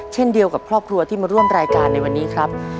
เช่นเดียวกับครอบครัวที่มาร่วมรายการในวันนี้ครับ